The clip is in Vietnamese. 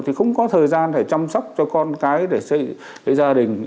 thì không có thời gian để chăm sóc cho con cái để xây ra gia đình